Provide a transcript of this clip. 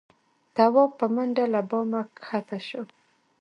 تواب په منډه له بامه کښه شو.